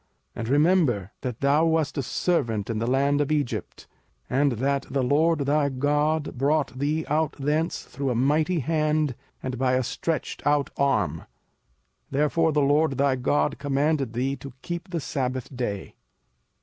05:005:015 And remember that thou wast a servant in the land of Egypt, and that the LORD thy God brought thee out thence through a mighty hand and by a stretched out arm: therefore the LORD thy God commanded thee to keep the sabbath day.